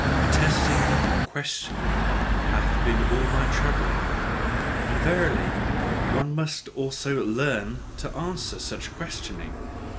A testing and a questioning hath been all my travelling: and verily, one must also LEARN to answer such questioning!